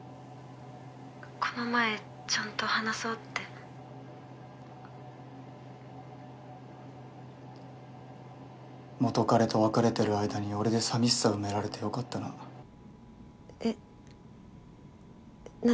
この前ちゃんと話そうって元カレと別れてる間に俺で寂しさ埋められてよかったなえっ何？